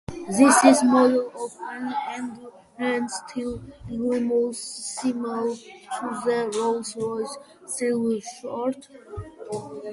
This is a model of an Edwardian-style limousine, similar to the Rolls-Royce Silver Ghost.